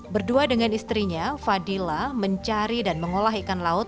berdua dengan istrinya fadila mencari dan mengolah ikan laut